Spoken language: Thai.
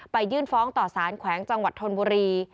ยื่นฟ้องต่อสารแขวงจังหวัดธนบุรี